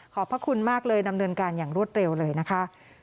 พระคุณมากเลยดำเนินการอย่างรวดเร็วเลยนะคะ